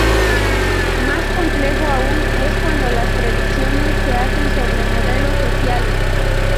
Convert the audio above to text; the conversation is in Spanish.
Más complejo aún es cuando las predicciones se hacen sobre modelos sociales.